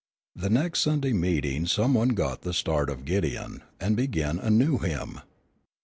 The next Sunday at meeting some one got the start of Gideon, and began a new hymn.